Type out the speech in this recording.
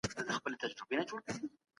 ولي کندهار کي د صنعت لپاره مشرتابه مهم دی؟